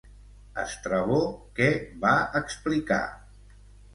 Estrabó què va explicar?